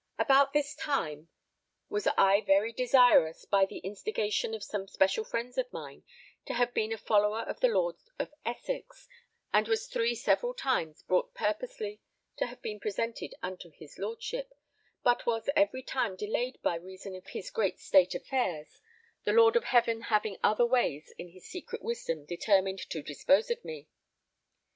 About this time, was I very desirous, by the instigation of some special friends of mine, to have been a follower of the Lord of Essex, and was three several times brought purposely to have been presented unto his lordship, but was every time delayed by reason of his great state affairs, the Lord of heaven having other ways in his secret wisdom determined to dispose of me.